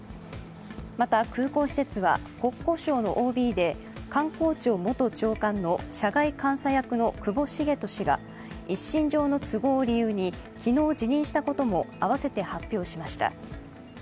また、空港施設は国交省のＯＢで観光庁元長官の社外監査役の久保成人氏が一身上の都合を理由に昨日、辞任したこともあわせて発表しました。